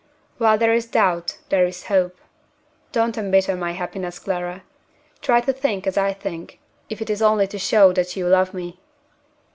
While there is doubt, there is hope. Don't embitter my happiness, Clara! Try to think as I think if it is only to show that you love me."